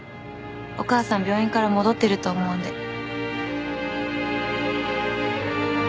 お母さん病院から戻ってると思うんで。